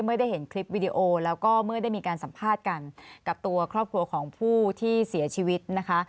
เมื่อได้เห็นคลิปวิดีโอแล้วก็เมื่อได้มีการสัมภาษณ์กันกับตัวครอบครัวของผู้ที่เสียชีวิตนะคะ